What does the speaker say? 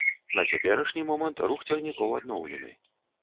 На цяперашні момант рух цягнікоў адноўлены.